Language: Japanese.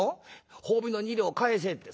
褒美の二両返せって」。